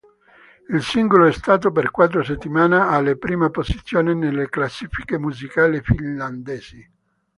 Il singolo è stato per quattro settimane alla prima posizione nelle classifiche musicali finlandesi.